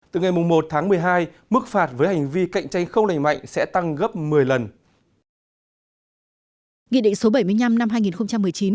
từ ngày một tháng một mươi hai mức phạt với hành vi cạnh tranh không lành mạnh sẽ tăng gấp một mươi lần